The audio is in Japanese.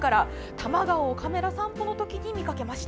多摩川をカメラ散歩の時に見かけました。